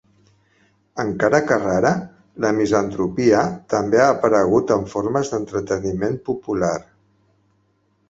Encara que rara, la misantropia també ha aparegut en formes d'entreteniment popular.